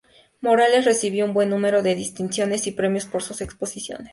Morales recibió un buen número de distinciones y premios por sus exposiciones.